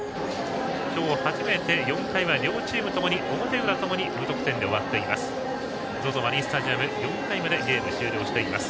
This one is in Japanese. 今日、初めて４回は両チーム、表裏とも２得点で終わっています。